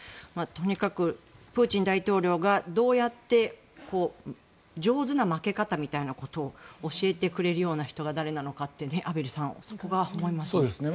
とにかくプーチン大統領がどうやって上手な負け方みたいなことを教えてくれるような人が誰なのかって、畔蒜さんそこが思いますね。